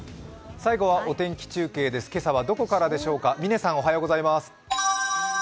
最後はお天気中継です、今朝はどこからでしょうか。